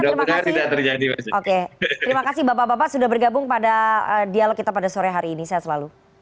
terima kasih terima kasih bapak bapak sudah bergabung pada dialog kita pada sore hari ini saya